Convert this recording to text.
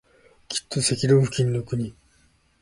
きっと赤道付近の国